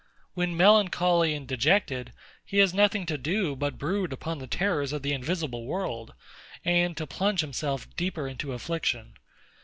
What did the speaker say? When melancholy and dejected, he has nothing to do but brood upon the terrors of the invisible world, and to plunge himself still deeper in affliction.